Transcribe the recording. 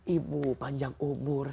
ibu panjang umur